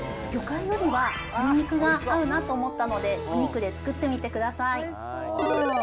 魚介よりは鶏肉が合うなと思ったので、お肉で作ってみてください